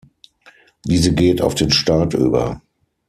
Diese geht auf den Staat über.